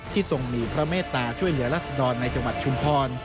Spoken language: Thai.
ทรงมีพระเมตตาช่วยเหลือรัศดรในจังหวัดชุมพร